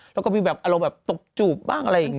แล้วก็มีแบบอารมณ์แบบตบจูบบ้างอะไรอย่างนี้